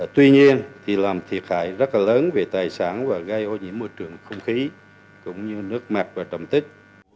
tuy nhiên thì làm thiệt hại rất là lớn về tài sản và gây ô nhiễm môi trường không khí cũng như nước mặt và trầm tích